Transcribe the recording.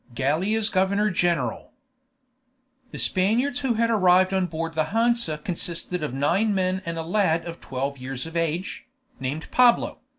GALLIA'S GOVERNOR GENERAL The Spaniards who had arrived on board the Hansa consisted of nine men and a lad of twelve years of age, named Pablo.